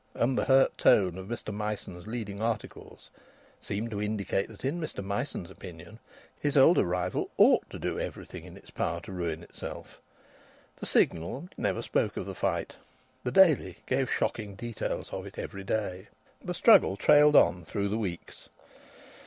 And the hurt tone of Mr Myson's leading articles seemed to indicate that in Mr Myson's opinion his older rival ought to do everything in its power to ruin itself. The Signal never spoke of the fight. The Daily gave shocking details of it every day. The struggle trailed on through the weeks.